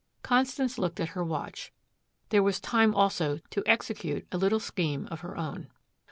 Constance looked at her watch. There was time also to execute a little scheme of her own.